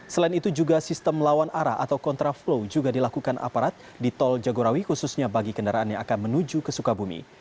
selain itu juga sistem lawan arah atau kontraflow juga dilakukan aparat di tol jagorawi khususnya bagi kendaraan yang akan menuju ke sukabumi